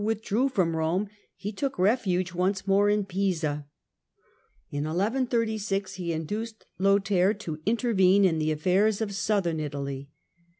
125 withdrew from Kome, he took refuge once more in Pisa In 1136 he induced Lothair to intervene in the affairs of Southern Italy.